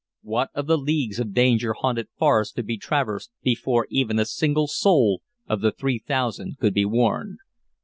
What of the leagues of danger haunted forest to be traversed before even a single soul of the three thousand could be warned?